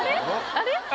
あれ？